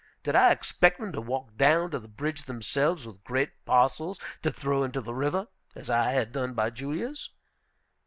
Did I expect them to walk down to the bridge themselves with great parcels to throw into the river, as I had done by Julia's?